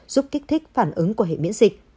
giúp kích thích phản ứng của hệ miễn dịch